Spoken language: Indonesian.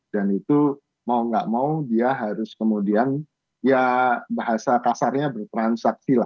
dan itu mau gak mau dia harus kemudian ya bahasa kasarnya bertransaksi lah